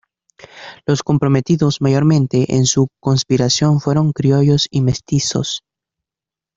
Los comprometidos mayormente en su conspiración fueron criollos y mestizos.